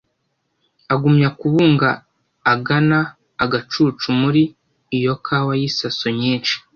Agumya kubunga agana agacucuMuli iyo kawa y’isaso nyinshi